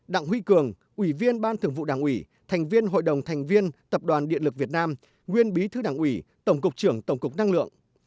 đặng huy cường ủy viên ban thường vụ đảng ủy thành viên hội đồng thành viên tập đoàn điện lực việt nam nguyên bí thư đảng ủy tổng cục trưởng tổng cục năng lượng